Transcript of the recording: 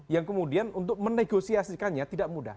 yang kemudian untuk menegosiasikannya tidak mudah